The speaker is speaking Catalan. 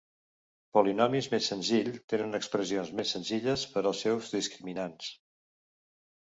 Polinomis més senzills tenen expressions més senzilles per als seus discriminants.